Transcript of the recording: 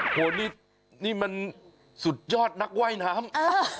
โอ้โฮนี่มันสุดยอดนักไหว้น้ำ